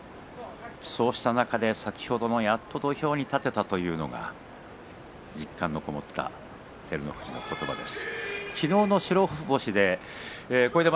そうした中で先ほどやっと土俵に立てたという実感がこもった照ノ富士の言葉です。